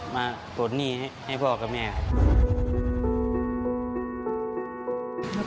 ปลดหนี้ให้พ่อกับแม่ครับ